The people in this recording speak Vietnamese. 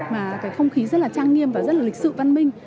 mà cái không khí rất là trang nghiêm và rất là lịch sự văn minh